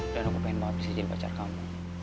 dan aku pengen banget jadi pacar kamu